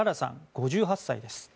５８歳です。